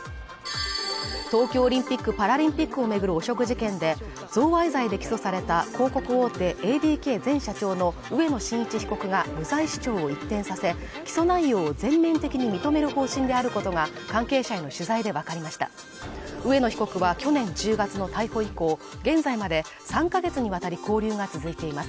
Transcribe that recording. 東京オリンピック・パラリンピックを巡る汚職事件で贈賄罪で起訴された広告大手ＡＤＫ前社長の植野伸一被告が無罪主張を一転させ起訴内容を全面的に認める方針であることが関係者への取材で分かりました植野被告は去年１０月の逮捕以降現在まで３か月にわたり勾留が続いています